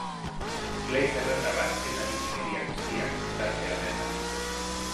Play zerrenda bat eta bitxikeria guztiak, tarte honetan.